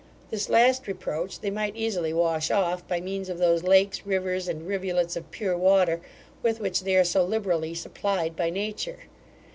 This last reproach they might easily wash off, by means of those lakes, rivers, and rivulets of pure water, with which they are so liberally supplied by nature.